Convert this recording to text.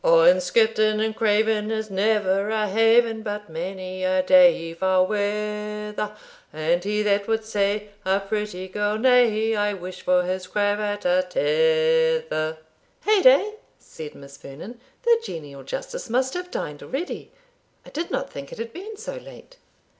"O, in Skipton in Craven Is never a haven, But many a day foul weather; And he that would say A pretty girl nay, I wish for his cravat a tether." "Heyday!" said Miss Vernon, "the genial Justice must have dined already I did not think it had been so late."